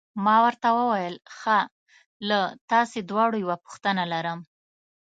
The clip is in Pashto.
ما ورته وویل: ښه، له تاسي دواړو یوه غوښتنه لرم.